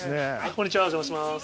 こんにちはお邪魔します。